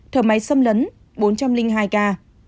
thợ máy xâm lấn bốn trăm linh hai ca